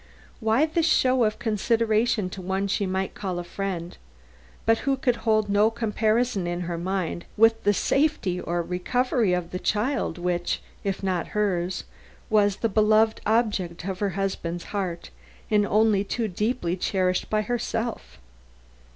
Why this show of consideration to one she might call friend, but who could hold no comparison in her mind with the safely or recovery of the child which, if not hers, was the beloved object of her husband's heart and only too deeply cherished by herself?